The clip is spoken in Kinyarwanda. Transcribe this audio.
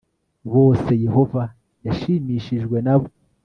bose yehova yashimishijwe nabo